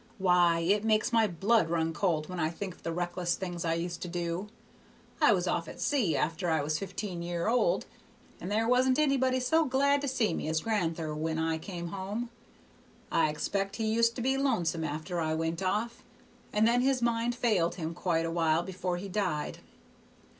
why, it makes my blood run cold when I think of the reckless things I used to do. I was off at sea after I was fifteen year old, and there wasn't anybody so glad to see me as gran'ther when I came home. I expect he used to be lonesome after I went off, but then his mind failed him quite a while before he died.